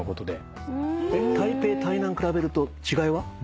台北台南比べると違いはどうでした？